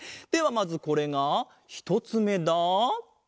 まずこれがひとつめだ。